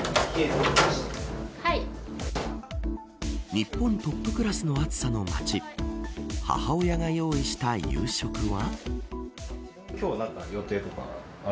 日本トップクラスの暑さの街母親が用意した夕食は。